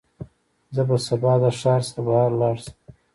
زه به سبا د ښار څخه بهر لاړ شم.